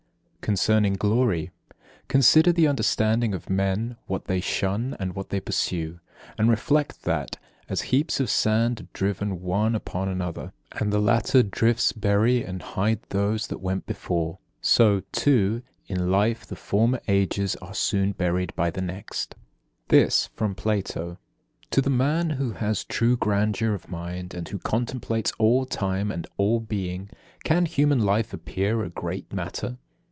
34. Concerning glory: Consider the understanding of men, what they shun, and what they pursue. And reflect that, as heaps of sand are driven one upon another, and the later drifts bury and hide those that went before, so, too, in life the former ages are soon buried by the next. 35. This from Plato: "'To the man who has true grandeur of mind, and who contemplates all time and all being, can human life appear a great matter?'